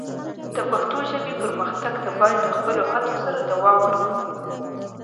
د پښتو ژبې پرمختګ ته باید د خپلو هڅو سره دوام ورکړو.